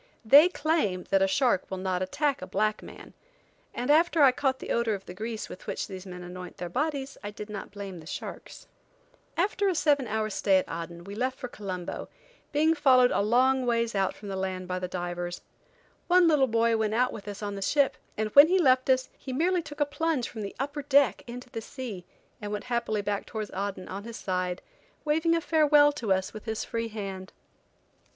They claim that a shark will not attack a black man, and after I had caught the odor of the grease with which these men annoint their bodies, I did not blame the sharks. After a seven hours stay at Aden we left for Colombo, being followed a long ways out from land by the divers. One little boy went out with us on the ship, and when he left us he merely took a plunge from the upper deck into the sea and went happily back towards Aden, on his side, waving a farewell to us with his free hand.